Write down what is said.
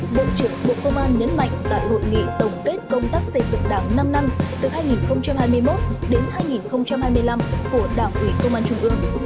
bộ trưởng bộ công an nhấn mạnh tại hội nghị tổng kết công tác xây dựng đảng năm năm từ hai nghìn hai mươi một đến hai nghìn hai mươi năm của đảng ủy công an trung ương